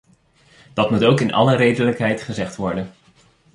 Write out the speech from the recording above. Dat moet ook in alle redelijkheid gezegd worden.